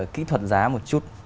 kỹ thuật giá một chút